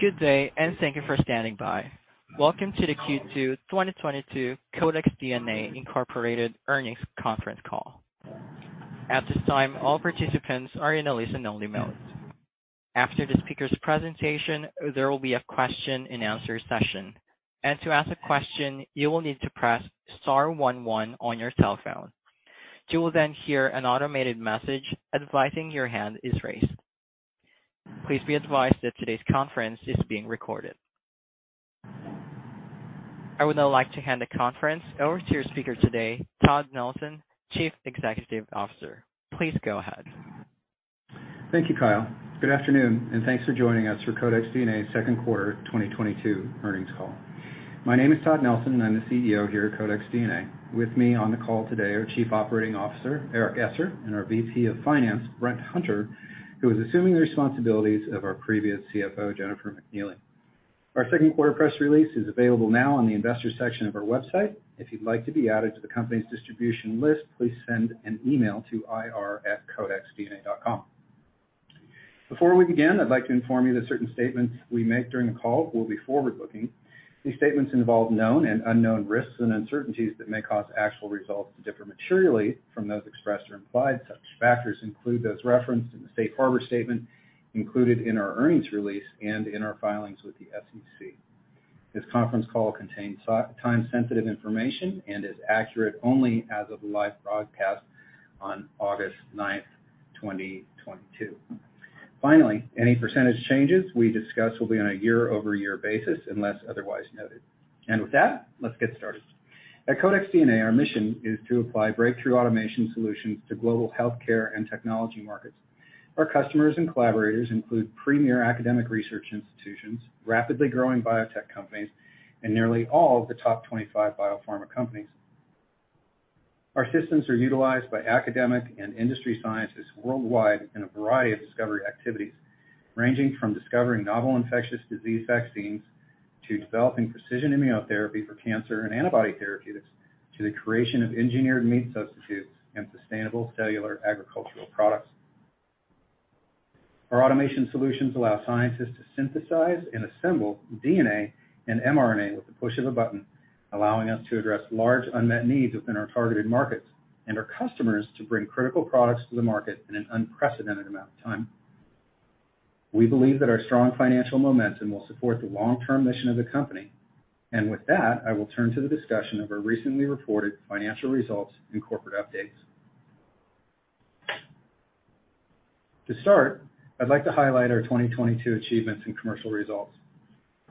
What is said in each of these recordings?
Good day, and thank you for standing by. Welcome to the Q2 2022 Codex DNA, Inc. Earnings Conference Call. At this time, all participants are in a listen-only mode. After the speaker's presentation, there will be a question-and-answer session. To ask a question, you will need to press star one one on your cellphone. You will then hear an automated message advising your hand is raised. Please be advised that today's conference is being recorded. I would now like to hand the conference over to your speaker today, Todd Nelson, Chief Executive Officer. Please go ahead. Thank you, Kyle. Good afternoon, and thanks for joining us for Codex DNA Q2 2022 Earnings Call. My name is Todd Nelson, and I'm the CEO here at Codex DNA. With me on the call today are Chief Operating Officer Eric Esser and our VP of Finance, Brent Hunter, who is assuming the responsibilities of our previous CFO, Jennifer McNealey. Our second-quarter press release is available now on the investor section of our website. If you'd like to be added to the company's distribution list, please send an email to ir@codexdna.com. Before we begin, I'd like to inform you that certain statements we make during the call will be forward-looking. These statements involve known and unknown risks and uncertainties that may cause actual results to differ materially from those expressed or implied. Such factors include those referenced in the safe harbor statement included in our earnings release and in our filings with the SEC. This conference call contains time-sensitive information and is accurate only as of the live broadcast on August 9, 2022. Finally, any percentage changes we discuss will be on a year-over-year basis unless otherwise noted. With that, let's get started. At Codex DNA, our mission is to apply breakthrough automation solutions to global healthcare and technology markets. Our customers and collaborators include premier academic research institutions, rapidly growing biotech companies, and nearly all of the top 25 biopharma companies. Our systems are utilized by academic and industry scientists worldwide in a variety of discovery activities, ranging from discovering novel infectious disease vaccines, to developing precision immunotherapy for cancer and antibody therapeutics, to the creation of engineered meat substitutes and sustainable cellular agricultural products. Our automation solutions allow scientists to synthesize and assemble DNA and mRNA with the push of a button, allowing us to address large unmet needs within our targeted markets and our customers to bring critical products to the market in an unprecedented amount of time. We believe that our strong financial momentum will support the long-term mission of the company. With that, I will turn to the discussion of our recently reported financial results and corporate updates. To start, I'd like to highlight our 2022 achievements and commercial results.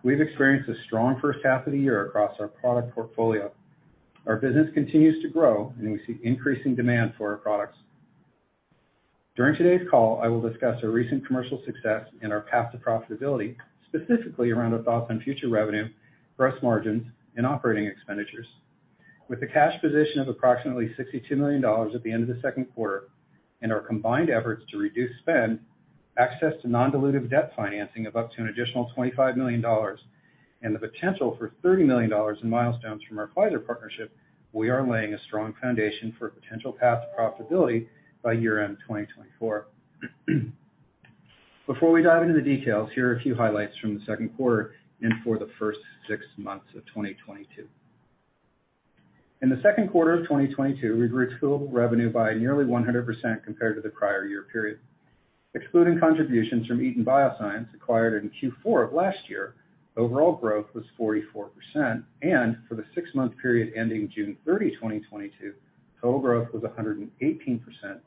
We've experienced a strong first half of the year across our product portfolio. Our business continues to grow, and we see increasing demand for our products. During today's call, I will discuss our recent commercial success and our path to profitability, specifically around our thoughts on future revenue, gross margins and operating expenditures. With a cash position of approximately $62 million at the end of the Q2 and our combined efforts to reduce spend, access to non-dilutive debt financing of up to an additional $25 million, and the potential for $30 million in milestones from our Pfizer partnership, we are laying a strong foundation for a potential path to profitability by year-end 2024. Before we dive into the details, here are a few highlights from the Q2 and for the first six months of 2022. In the Q2 of 2022, we grew total revenue by nearly 100% compared to the prior year period. Excluding contributions from Eton Bioscience acquired in Q4 of last year, overall growth was 44%, and for the six-month period ending June 30, 2022, total growth was 118%,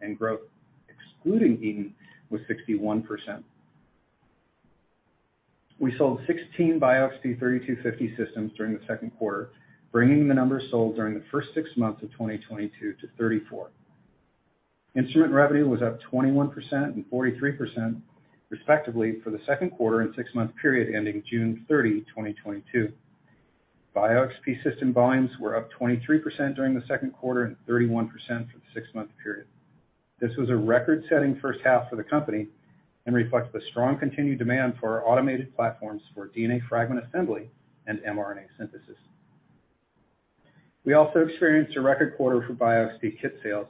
and growth excluding Eton was 61%. We sold 16 BioXp 3250 systems during the Q2, bringing the number sold during the first six months of 2022 to 34. Instrument revenue was up 21% and 43% respectively for the Q2 and six-month period ending June 30, 2022. BioXp system volumes were up 23% during the Q2 and 31% for the six-month period. This was a record-setting first half for the company and reflects the strong continued demand for our automated platforms for DNA fragment assembly and mRNA synthesis. We also experienced a record quarter for BioXp kit sales,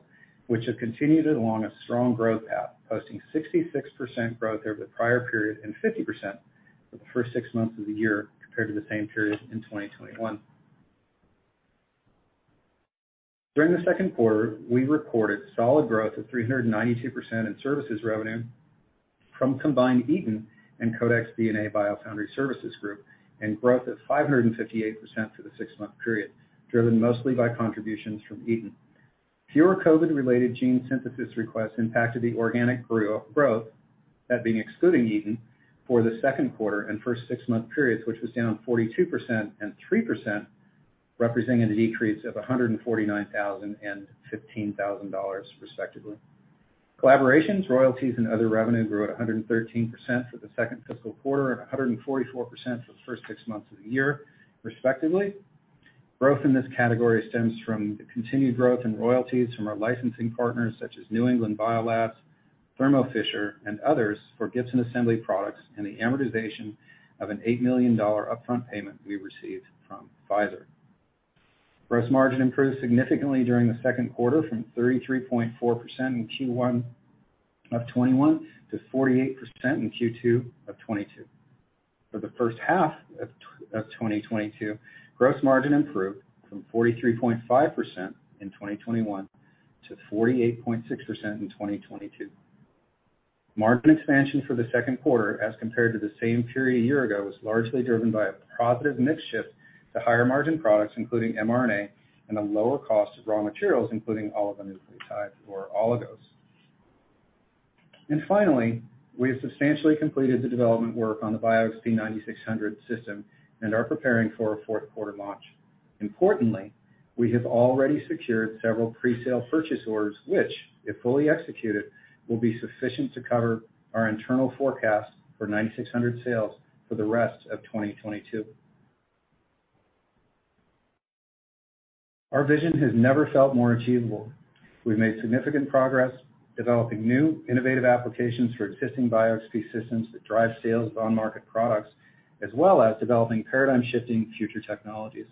which have continued along a strong growth path, posting 66% growth over the prior period and 50% for the first six months of the year compared to the same period in 2021. During the Q2, we recorded solid growth of 392% in services revenue from combined Eton and Codex DNA biofoundry services group, and growth of 558% for the six-month period, driven mostly by contributions from Eton. Fewer COVID-related gene synthesis requests impacted the organic growth, that being excluding Eton, for the Q2 and first six-month periods, which was down 42% and 3%, representing a decrease of $149,000 and $15,000 respectively. Collaborations, royalties and other revenue grew at 113% for the second fiscal quarter and 144% for the first six months of the year, respectively. Growth in this category stems from the continued growth in royalties from our licensing partners such as New England Biolabs, Thermo Fisher, and others for Gibson Assembly products and the amortization of an $8 million upfront payment we received from Pfizer. Gross margin improved significantly during the Q2 from 33.4% in Q1 of 2021 to 48% in Q2 of 2022. For the first half of 2022, gross margin improved from 43.5% in 2021 to 48.6% in 2022. Margin expansion for the Q2 as compared to the same period a year ago was largely driven by a positive mix shift to higher margin products, including mRNA and the lower cost of raw materials, including oligonucleotides or oligos. Finally, we have substantially completed the development work on the BioXp 9600 system and are preparing for a Q4 launch. Importantly, we have already secured several presale purchase orders, which, if fully executed, will be sufficient to cover our internal forecasts for 9600 sales for the rest of 2022. Our vision has never felt more achievable. We've made significant progress developing new innovative applications for existing BioXp systems that drive sales of on-market products, as well as developing paradigm-shifting future technologies.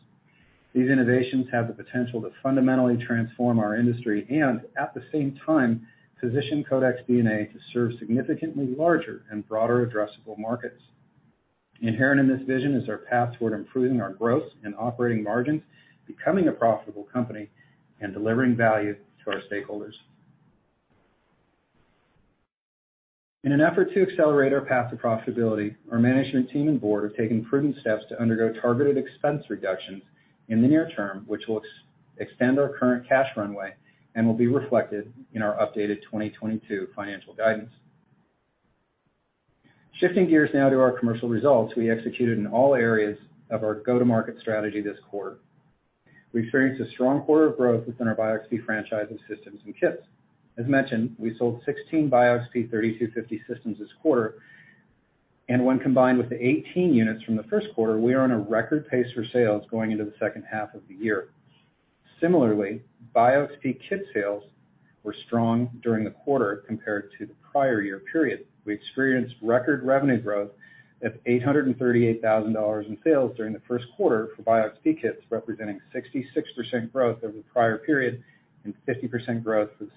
These innovations have the potential to fundamentally transform our industry and, at the same time, position Codex DNA to serve significantly larger and broader addressable markets. Inherent in this vision is our path toward improving our gross and operating margins, becoming a profitable company, and delivering value to our stakeholders. In an effort to accelerate our path to profitability, our management team and board are taking prudent steps to undergo targeted expense reductions in the near term, which will extend our current cash runway and will be reflected in our updated 2022 financial guidance. Shifting gears now to our commercial results, we executed in all areas of our go-to-market strategy this quarter. We experienced a strong quarter of growth within our BioXp franchise of systems and kits. As mentioned, we sold 16 BioXp 3250 systems this quarter, and when combined with the 18 units from the Q1, we are on a record pace for sales going into the second half of the year. Similarly, BioXp kit sales were strong during the quarter compared to the prior year period. We experienced record revenue growth of $838,000 in sales during the Q1 for BioXp kits, representing 66% growth over the prior period and 50% growth for the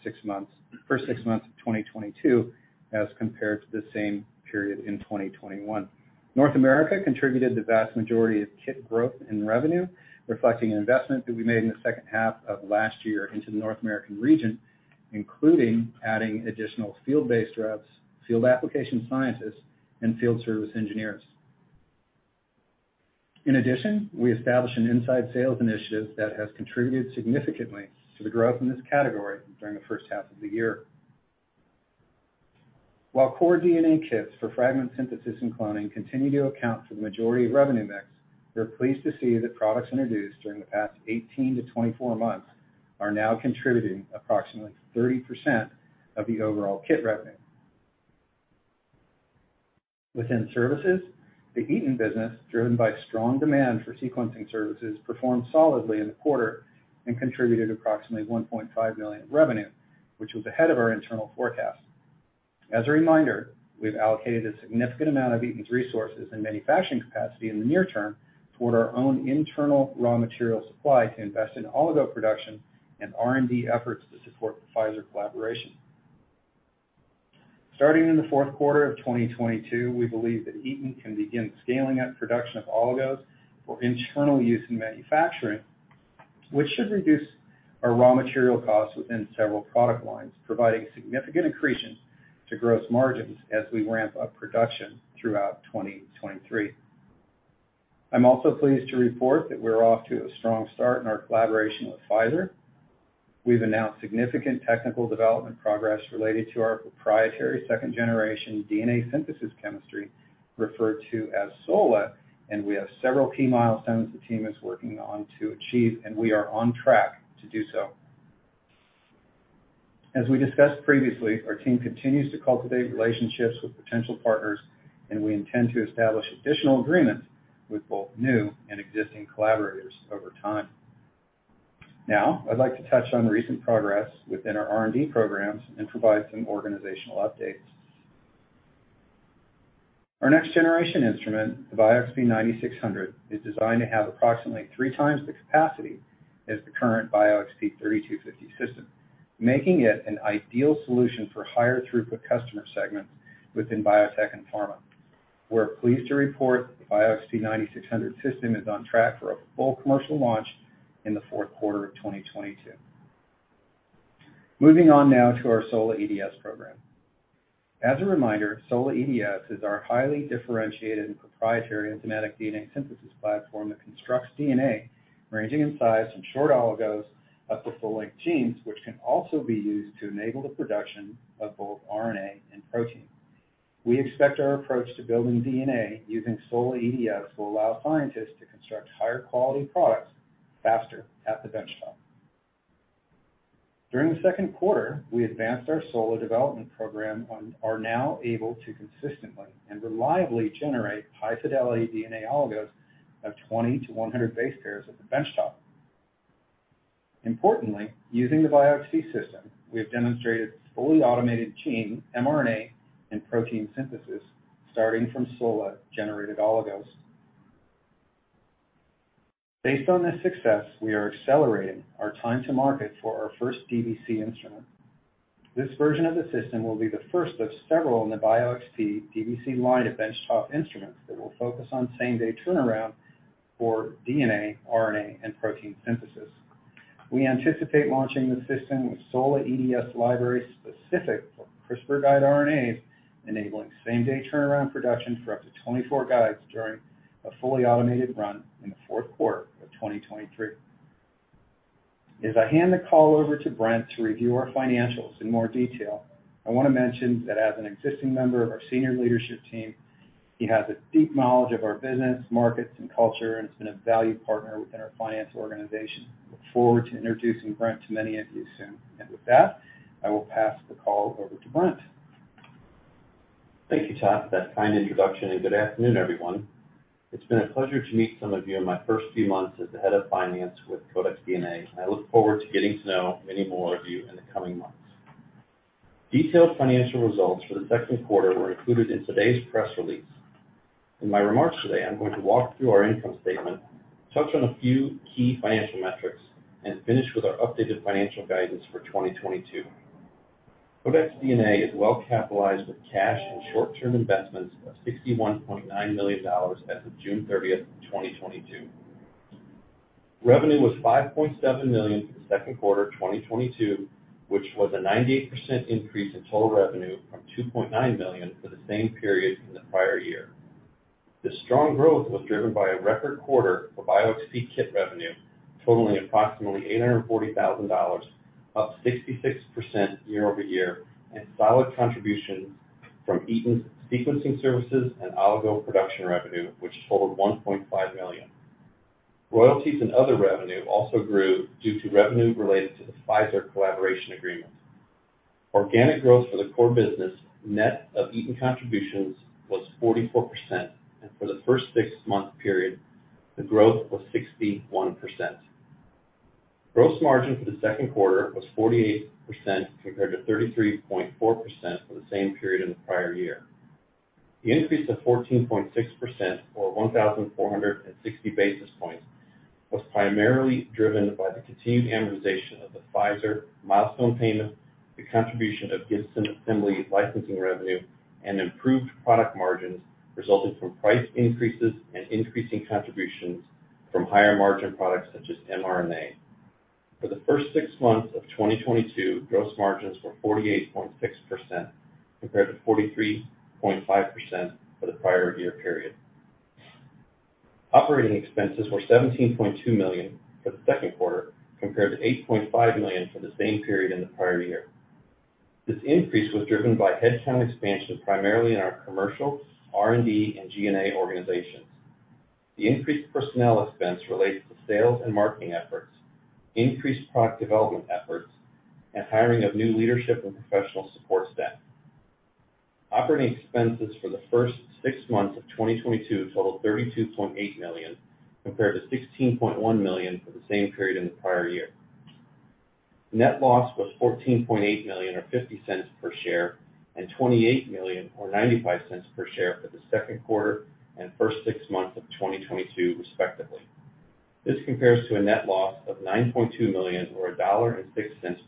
first six months of 2022 as compared to the same period in 2021. North America contributed the vast majority of kit growth in revenue, reflecting an investment that we made in the second half of last year into the North American region, including adding additional field-based reps, field application scientists, and field service engineers. In addition, we established an inside sales initiative that has contributed significantly to the growth in this category during the first half of the year. While core DNA kits for fragment synthesis and cloning continue to account for the majority of revenue mix, we're pleased to see that products introduced during the past 18-24 months are now contributing approximately 30% of the overall kit revenue. Within services, the Eton business, driven by strong demand for sequencing services, performed solidly in the quarter and contributed approximately $1.5 million revenue, which was ahead of our internal forecast. As a reminder, we've allocated a significant amount of Eton's resources and manufacturing capacity in the near term toward our own internal raw material supply to invest in oligo production and R&D efforts to support the Pfizer collaboration. Starting in the Q4 of 2022, we believe that Eton can begin scaling up production of oligos for internal use in manufacturing, which should reduce our raw material costs within several product lines, providing a significant accretion to gross margins as we ramp up production throughout 2023. I'm also pleased to report that we're off to a strong start in our collaboration with Pfizer. We've announced significant technical development progress related to our proprietary second-generation DNA synthesis chemistry, referred to as SOLA, and we have several key milestones the team is working on to achieve, and we are on track to do so. As we discussed previously, our team continues to cultivate relationships with potential partners, and we intend to establish additional agreements with both new and existing collaborators over time. Now I'd like to touch on recent progress within our R&D programs and provide some organizational updates. Our next-generation instrument, the BioXp 9600, is designed to have approximately three times the capacity as the current BioXp 3250 system, making it an ideal solution for higher throughput customer segments within biotech and pharma. We're pleased to report the BioXp 9600 system is on track for a full commercial launch in the Q4 of 2022. Moving on now to our SOLA EDS program. As a reminder, SOLA EDS is our highly differentiated and proprietary enzymatic DNA synthesis platform that constructs DNA ranging in size from short oligos up to full-length genes, which can also be used to enable the production of both RNA and protein. We expect our approach to building DNA using SOLA EDS will allow scientists to construct higher quality products faster at the benchtop. During the Q2, we advanced our SOLA development program and are now able to consistently and reliably generate high-fidelity DNA oligos of 20 to 100 base pairs at the benchtop. Importantly, using the BioXp system, we have demonstrated fully automated gene, mRNA, and protein synthesis starting from SOLA-generated oligos. Based on this success, we are accelerating our time to market for our first DBC instrument. This version of the system will be the first of several in the BioXp DBC line of benchtop instruments that will focus on same-day turnaround for DNA, RNA, and protein synthesis. We anticipate launching the system with SOLA EDS library specific for CRISPR guide RNAs, enabling same-day turnaround production for up to 24 guides during a fully automated run in the Q4 of 2023. As I hand the call over to Brent to review our financials in more detail, I want to mention that as an existing member of our senior leadership team, he has a deep knowledge of our business, markets, and culture, and has been a valued partner within our finance organization. I look forward to introducing Brent to many of you soon. With that, I will pass the call over to Brent. Thank you, Todd, for that kind introduction, and good afternoon, everyone. It's been a pleasure to meet some of you in my first few months as the head of finance with Codex DNA, and I look forward to getting to know many more of you in the coming months. Detailed financial results for the Q2 were included in today's press release. In my remarks today, I'm going to walk through our income statement, touch on a few key financial metrics, and finish with our updated financial guidance for 2022. Codex DNA is well capitalized with cash and short-term investments of $61.9 million as of June 30, 2022. Revenue was $5.7 million for the Q2 of 2022, which was a 98% increase in total revenue from $2.9 million for the same period in the prior year. This strong growth was driven by a record quarter for BioXp kit revenue, totaling approximately $840,000, up 66% year over year, and solid contributions from Eton's sequencing services and oligo production revenue, which totaled $1.5 million. Royalties and other revenue also grew due to revenue related to the Pfizer collaboration agreement. Organic growth for the core business, net of Eton contributions, was 44%, and for the first six-month period, the growth was 61%. Gross margin for the Q2 was 48% compared to 33.4% for the same period in the prior year. The increase of 14.6%, or 1,460 basis points, was primarily driven by the continued amortization of the Pfizer milestone payment, the contribution of Gibson Assembly licensing revenue, and improved product margins resulting from price increases and increasing contributions from higher-margin products such as mRNA. For the first six months of 2022, gross margins were 48.6% compared to 43.5% for the prior year period. Operating expenses were $17.2 million for the Q2 compared to $8.5 million for the same period in the prior year. This increase was driven by headcount expansion primarily in our commercial, R&D, and G&A organizations. The increased personnel expense relates to sales and marketing efforts, increased product development efforts, and hiring of new leadership and professional support staff. Operating expenses for the first six months of 2022 totaled $32.8 million, compared to $16.1 million for the same period in the prior year. Net loss was $14.8 million, or $0.50 per share, and $28 million, or $0.95 per share, for the Q2 and first six months of 2022, respectively. This compares to a net loss of $9.2 million, or $1.06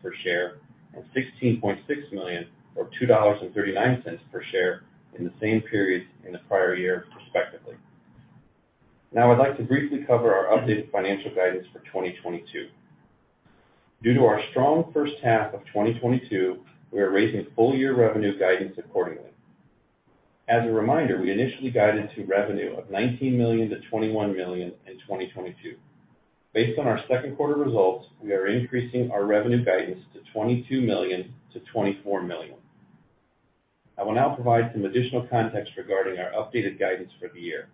per share, and $16.6 million, or $2.39 per share, in the same period in the prior year, respectively. Now I'd like to briefly cover our updated financial guidance for 2022. Due to our strong first half of 2022, we are raising full year revenue guidance accordingly. As a reminder, we initially guided to revenue of $19 million-$21 million in 2022. Based on our Q2 results, we are increasing our revenue guidance to $22 million-$24 million. I will now provide some additional context regarding our updated guidance for the year.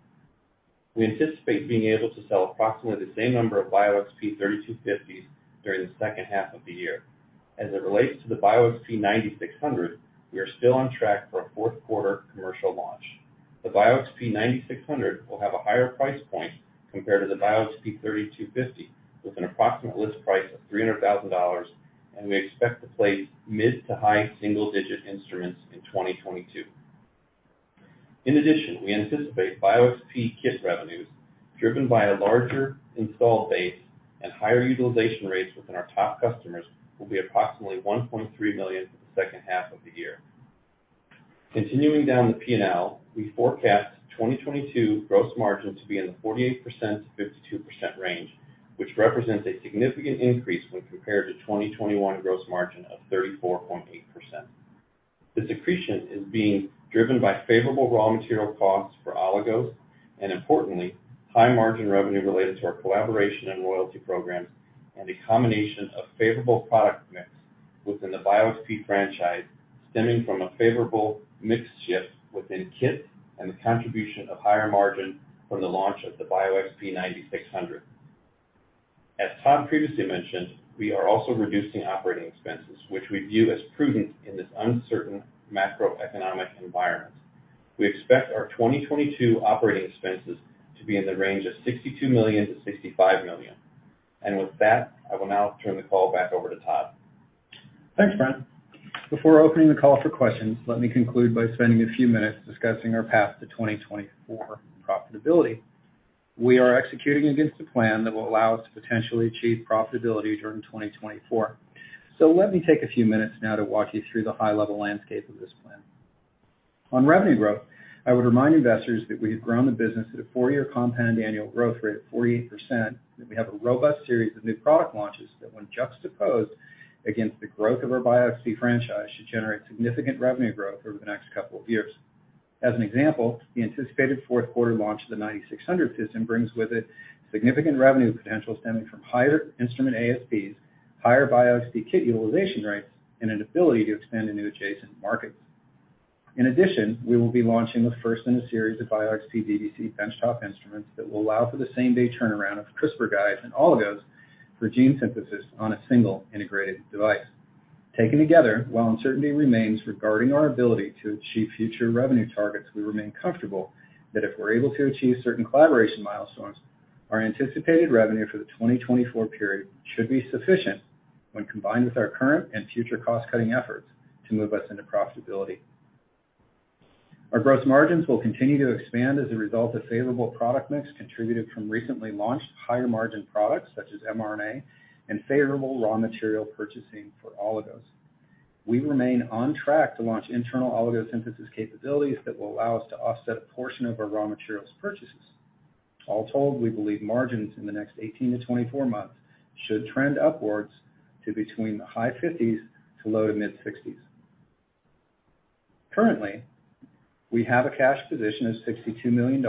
We anticipate being able to sell approximately the same number of BioXp 3250 during the second half of the year. As it relates to the BioXp 9600, we are still on track for a Q4 commercial launch. The BioXp 9600 will have a higher price point compared to the BioXp 3250, with an approximate list price of $300,000, and we expect to place mid to high single-digit instruments in 2022. In addition, we anticipate BioXp kit revenues driven by a larger install base and higher utilization rates within our top customers will be approximately $1.3 million for the second half of the year. Continuing down the P&L, we forecast 2022 gross margin to be in the 48%-52% range, which represents a significant increase when compared to 2021 gross margin of 34.8%. This accretion is being driven by favorable raw material costs for oligos, and importantly, high margin revenue related to our collaboration and royalty programs, and a combination of favorable product mix within the BioXp franchise stemming from a favorable mix shift within kits and the contribution of higher margin from the launch of the BioXp 9600. As Todd previously mentioned, we are also reducing operating expenses, which we view as prudent in this uncertain macroeconomic environment. We expect our 2022 operating expenses to be in the range of $62 million-$65 million. With that, I will now turn the call back over to Todd. Thanks, Brent. Before opening the call for questions, let me conclude by spending a few minutes discussing our path to 2024 profitability. We are executing against a plan that will allow us to potentially achieve profitability during 2024. Let me take a few minutes now to walk you through the high-level landscape of this plan. On revenue growth, I would remind investors that we have grown the business at a four-year compound annual growth rate of 48%, and we have a robust series of new product launches that, when juxtaposed against the growth of our BioXp franchise, should generate significant revenue growth over the next couple of years. As an example, the anticipated Q4 launch of the 9600 system brings with it significant revenue potential stemming from higher instrument ASPs, higher BioXp kit utilization rates, and an ability to expand into adjacent markets. In addition, we will be launching the first in a series of BioXp DBC benchtop instruments that will allow for the same-day turnaround of CRISPR guides and oligos for gene synthesis on a single integrated device. Taken together, while uncertainty remains regarding our ability to achieve future revenue targets, we remain comfortable that if we're able to achieve certain collaboration milestones, our anticipated revenue for the 2024 period should be sufficient when combined with our current and future cost-cutting efforts to move us into profitability. Our gross margins will continue to expand as a result of favorable product mix contributed from recently launched higher-margin products such as mRNA and favorable raw material purchasing for oligos. We remain on track to launch internal oligosynthesis capabilities that will allow us to offset a portion of our raw materials purchases. All told, we believe margins in the next 18-24 months should trend upwards to between the high 50s% to low-to-mid 60s%. Currently, we have a cash position of $62 million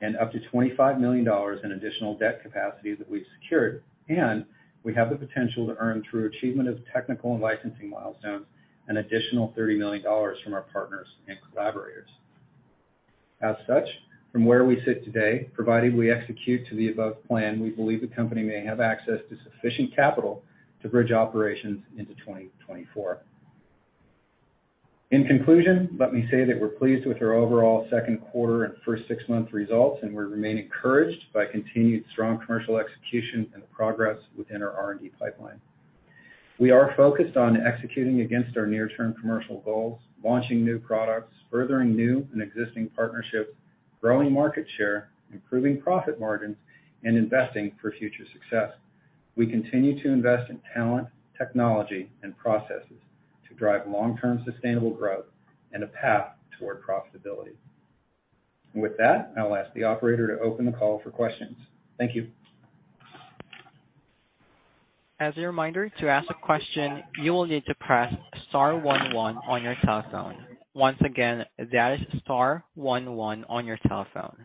and up to $25 million in additional debt capacity that we've secured, and we have the potential to earn through achievement of technical and licensing milestones, an additional $30 million from our partners and collaborators. As such, from where we sit today, provided we execute to the above plan, we believe the company may have access to sufficient capital to bridge operations into 2024. In conclusion, let me say that we're pleased with our overall Q2 and first six-month results, and we remain encouraged by continued strong commercial execution and progress within our R&D pipeline. We are focused on executing against our near-term commercial goals, launching new products, furthering new and existing partnerships, growing market share, improving profit margins, and investing for future success. We continue to invest in talent, technology, and processes to drive long-term sustainable growth and a path toward profitability. With that, I'll ask the operator to open the call for questions. Thank you. As a reminder, to ask a question, you will need to press star one one on your telephone. Once again, that is star one one on your telephone.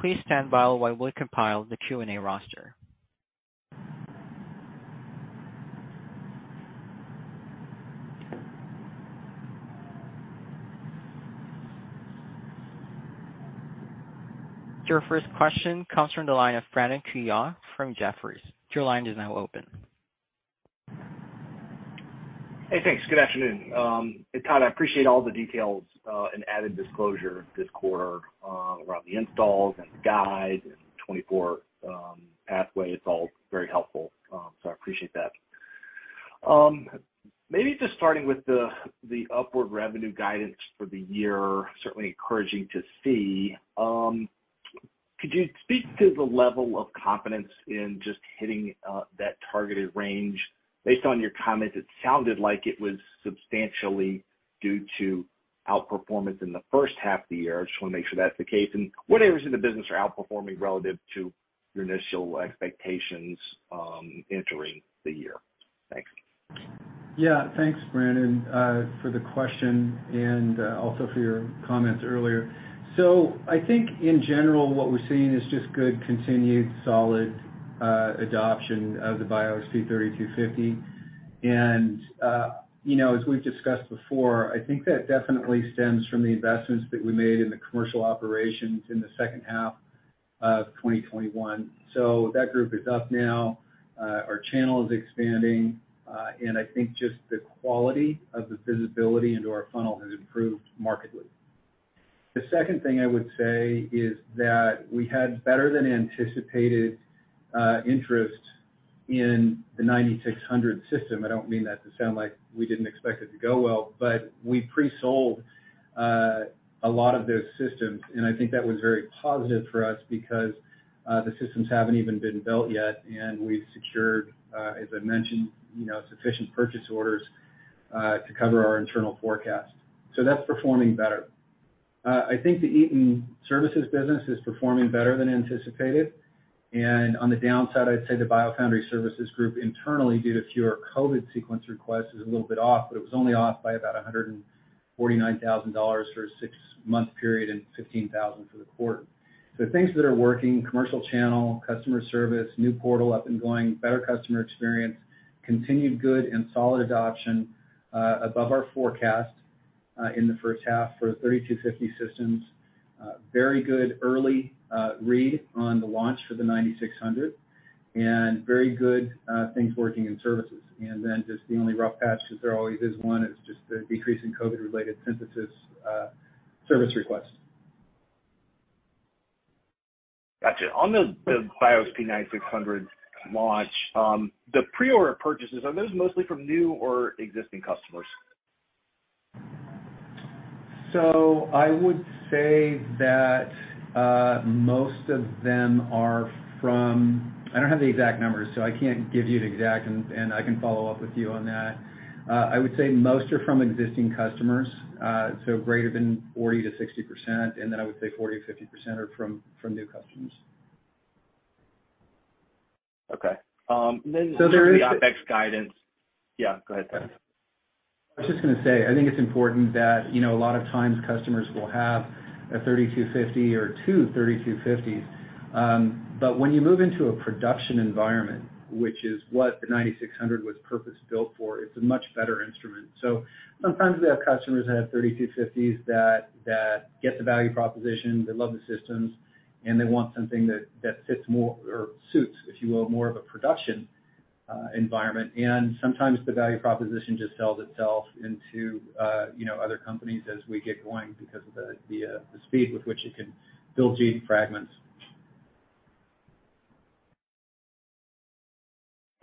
Please stand by while we compile the Q&A roster. Your first question comes from the line of Brandon Couillard from Jefferies. Your line is now open. Hey, thanks. Good afternoon. And Todd, I appreciate all the details and added disclosure this quarter around the installs and the guide and 2024 pathway. It's all very helpful, so I appreciate that. Maybe just starting with the upward revenue guidance for the year, certainly encouraging to see. Could you speak to the level of confidence in just hitting that targeted range? Based on your comments, it sounded like it was substantially due to outperformance in the first half of the year. I just wanna make sure that's the case. What areas of the business are outperforming relative to your initial expectations entering the year? Thanks. Yeah. Thanks, Brandon, for the question and, also for your comments earlier. I think in general, what we're seeing is just good, continued, solid, adoption of the BioXp 3250. You know, as we've discussed before, I think that definitely stems from the investments that we made in the commercial operations in the second half of 2021. That group is up now. Our channel is expanding. And I think just the quality of the visibility into our funnel has improved markedly. The second thing I would say is that we had better than anticipated, interest in the 9600 system. I don't mean that to sound like we didn't expect it to go well, but we presold a lot of those systems, and I think that was very positive for us because the systems haven't even been built yet, and we've secured, as I mentioned, you know, sufficient purchase orders to cover our internal forecast. That's performing better. I think the Eton Services business is performing better than anticipated. On the downside, I'd say the biofoundry services group internally, due to fewer COVID sequence requests, is a little bit off, but it was only off by about $149,000 for a six-month period and $15,000 for the quarter. The things that are working, commercial channel, customer service, new portal up and going, better customer experience, continued good and solid adoption, above our forecast, in the first half for the 3250 systems, very good early read on the launch for the 9600. Very good things working in services. Then just the only rough patch, because there always is one, is just the decrease in COVID-related synthesis service requests. Got you. On the BioXp 9600 launch, the pre-order purchases, are those mostly from new or existing customers? I would say that I don't have the exact numbers, so I can't give you the exact numbers, and I can follow up with you on that. I would say most are from existing customers, so greater than 40%-60%, and then I would say 40% or 50% are from new customers. Okay. So there is- the OpEx guidance. Yeah, go ahead, Brent. I was just gonna say, I think it's important that, you know, a lot of times customers will have a 3250 or two 3250s. But when you move into a production environment, which is what the 9600 was purpose-built for, it's a much better instrument. Sometimes we have customers that have 3250s that get the value proposition, they love the systems, and they want something that fits more or suits, if you will, more of a production environment. Sometimes the value proposition just sells itself into other companies as we get going because of the speed with which it can build gene fragments.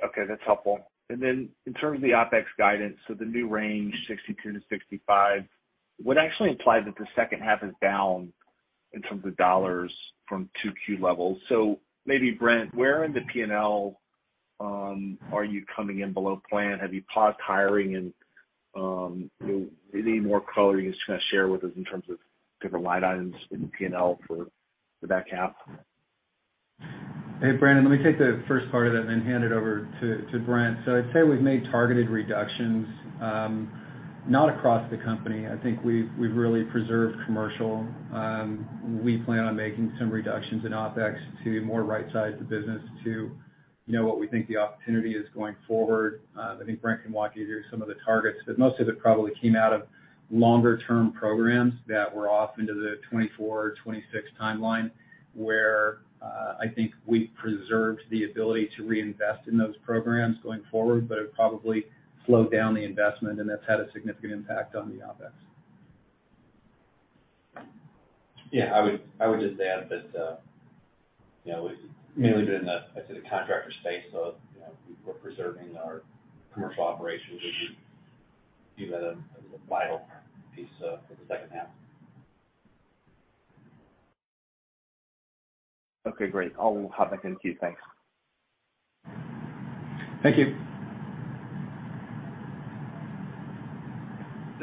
Okay, that's helpful. Then in terms of the OpEx guidance, the new range $62-$65 would actually imply that the second half is down in terms of dollars from 2Q levels. Maybe, Brent, where in the P&L are you coming in below plan? Have you paused hiring? Any more color you can kinda share with us in terms of different line items in P&L for the back half? Hey, Brandon, let me take the first part of that, and then hand it over to Brent. I'd say we've made targeted reductions, not across the company. I think we've really preserved commercial. We plan on making some reductions in OpEx to more right-size the business to, you know, what we think the opportunity is going forward. I think Brent can walk you through some of the targets, but most of it probably came out of longer-term programs that were off into the 2024 or 2026 timeline, where I think we preserved the ability to reinvest in those programs going forward, but it probably slowed down the investment, and that's had a significant impact on the OpEx. Yeah, I would just add that, you know, it's mainly been the, I'd say, the contractor space. You know, we're preserving our commercial operations, which we view as a vital piece for the second half. Okay, great. I'll hop back in queue. Thanks. Thank you.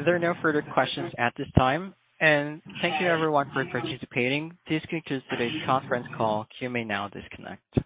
There are no further questions at this time. Thank you everyone for participating. This concludes today's conference call. You may now disconnect.